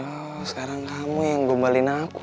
oh sekarang kamu yang gombalin aku